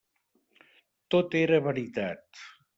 Tot era veritat.